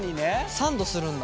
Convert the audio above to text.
サンドするんだ。